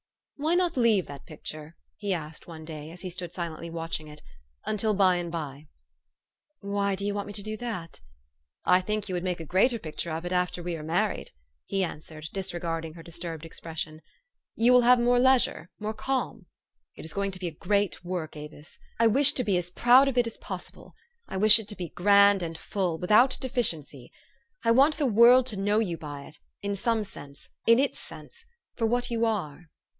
" Why not leave that picture," he asked one day, as he stood silently watching it, u until by and by ?"'' Why do you want me to do that ?''" I think you would make a greater picture of it after we are married," he answered, disregarding her disturbed expression. " You will have more lei sure, more calm. It is going to be a great work, Avis. I wish to be as proud of it as possible. I wish it to be grand and full, without deficiency. I want the world to know you by it, in some sense, in its sense, for what you are."